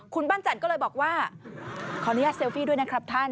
คุณปั้นจันทร์ก็เลยบอกว่าขออนุญาตเซลฟี่ด้วยนะครับท่าน